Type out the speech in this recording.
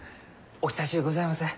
お久しゅうございます。